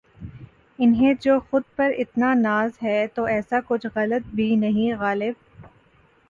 انہیں جو خود پر اتنا ناز ہے تو ایسا کچھ غلط بھی نہیں غالب